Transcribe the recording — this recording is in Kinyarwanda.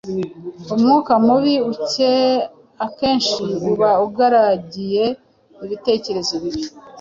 Umwuka mubi akenshi uba ugaragiye ibitekerezo bibi.